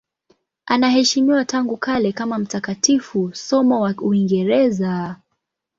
Anaheshimiwa tangu kale kama mtakatifu, somo wa Uingereza.